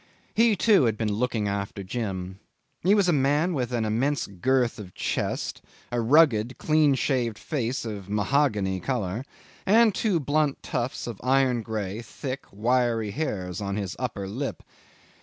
He, too, had been looking after Jim. He was a man with an immense girth of chest, a rugged, clean shaved face of mahogany colour, and two blunt tufts of iron grey, thick, wiry hairs on his upper lip.